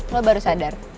lo baru sadar